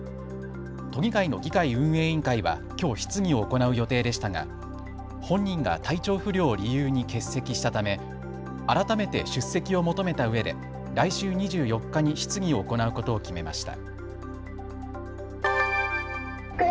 都議会の議会運営委員会はきょう質疑を行う予定でしたが本人が体調不良を理由に欠席したため改めて出席を求めたうえで来週２４日に質疑を行うことを決めました。